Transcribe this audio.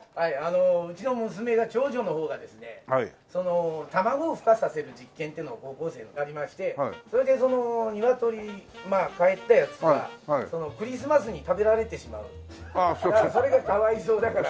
うちの娘が長女の方がですね卵をふ化させる実験っていうのを高校生の時やりましてそれでそのニワトリまあかえったやつがクリスマスに食べられてしまうからそれがかわいそうだから。